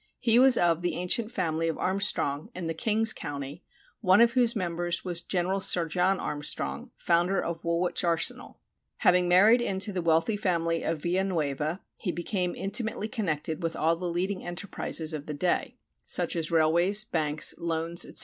He was of the ancient family of Armstrong in the King's county, one of whose members was General Sir John Armstrong, founder of Woolwich arsenal. Having married into the wealthy family of Villanueva he became intimately connected with all the leading enterprises of the day, such as railways, banks, loans, etc.